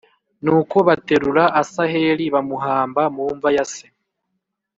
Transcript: Nuko baterura Asaheli bamuhamba mu mva ya se